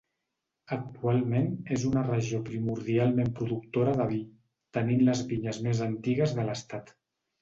Actualment és una regió primordialment productora de vi, tenint les vinyes més antigues de l'estat.